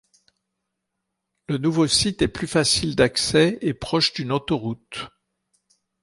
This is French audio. Le nouveau site est plus facile d'accès est proche d'une autoroute.